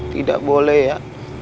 tidak boleh ya